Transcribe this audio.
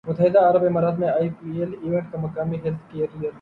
متحدہ عرب امارات میں آئی پی ایل ایونٹ کا مقامی ہیلتھ کیئر